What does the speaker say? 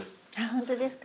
本当ですか。